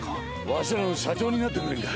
わしらの社長になってくれんか？